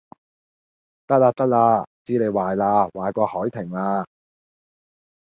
得喇得喇，知你壞喇，壞過凱婷喇